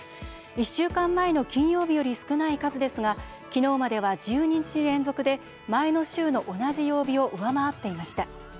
１週間前の金曜日より少ない数ですが昨日までは１２日連続で前の週の同じ曜日を上回っていました。